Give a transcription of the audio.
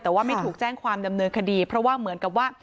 แต่ว่าไม่ถูกแจ้งความดำเนินคดีเพราะว่าเหมือนกับว่า